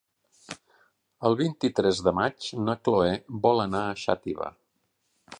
El vint-i-tres de maig na Cloè vol anar a Xàtiva.